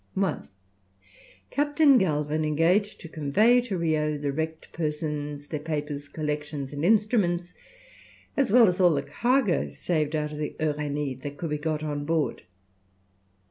1. Captain Galvin engaged to convey to Rio the wrecked persons, their papers, collections, and instruments, as well as all the cargo saved out of the Uranie that could be got on board.